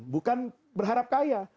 bukan berharap kaya